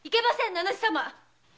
名主様。